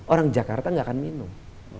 orang jakarta nggak akan minum